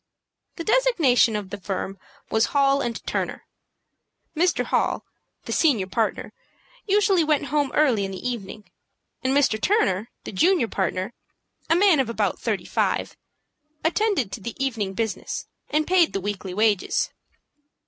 The designation of the firm was HALL & TURNER. Mr. Hall, the senior partner, usually went home early in the evening; and Mr. Turner, the junior partner, a man of about thirty five, attended to the evening business, and paid the weekly wages.